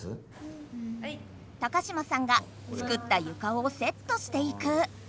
高嶋さんが作ったゆかをセットしていく。